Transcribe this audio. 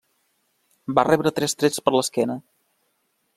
Va rebre tres trets per l'esquena.